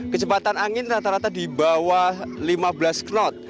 kecepatan angin rata rata di bawah lima belas knot